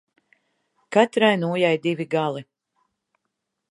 Katrai nūjai divi gali.